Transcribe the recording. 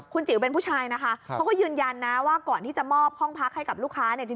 คุณจิ๋วเป็นผู้ชายนะคะเขาก็ยืนยันนะว่าก่อนที่จะมอบห้องพักให้กับลูกค้าเนี่ย